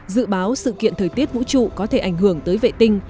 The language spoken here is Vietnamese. dự báo sự kiện thời tiết vũ trụ có thể ảnh hưởng tới vệ tinh